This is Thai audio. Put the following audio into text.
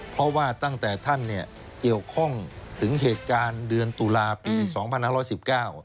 เพราะว่าตั้งแต่ท่านเนี่ยเกี่ยวข้องถึงเหตุการณ์เดือนตุลาปี๒๐๑๙